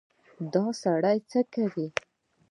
_دا سړی څه کوې؟